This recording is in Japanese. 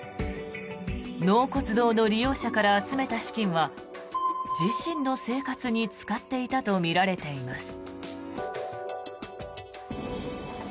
納骨堂の利用者から集めた資金は自身の生活に使っていたとみられています。